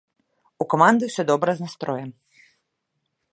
У каманды ўсё добра з настроем.